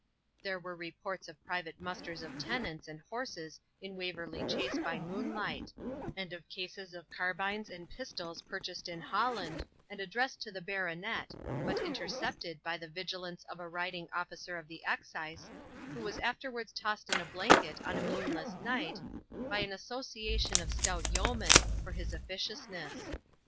There were reports of private musters of tenants and horses in Waverley Chase by moonlight, and of cases of carbines and pistols purchased in Holland, and addressed to the Baronet, but intercepted by the vigilance of a riding officer of the excise, who was afterwards tossed in a blanket on a moonless night, by an association of stout yeomen, for his officiousness.